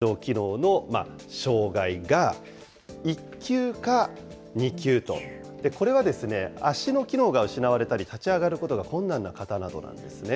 例えば、両下肢、体幹、移動機能の障害が１級か２級と、これはですね、足の機能が失われたり、立ち上がることが困難な方なんですね。